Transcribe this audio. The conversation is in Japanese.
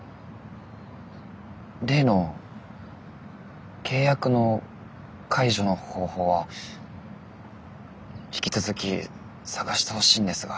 例の契約の解除の方法は引き続き探してほしいんですが。